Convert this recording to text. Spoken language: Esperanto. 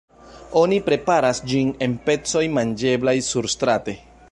Oni preparas ĝin en pecoj manĝeblaj surstrate.